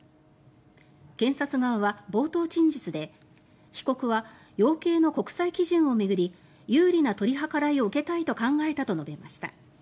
検察側は冒頭陳述で被告は養鶏の国際基準を巡り有利な取り計らいを受けたいと考えたと述べました。